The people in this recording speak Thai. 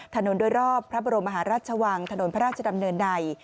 ถนนโดยรอบพระบรมมหาราชวังถนนพระราชดำเนินใน